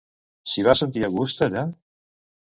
S'hi va sentir a gust, allà?